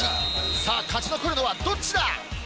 さあ、勝ち残るのはどっちだ。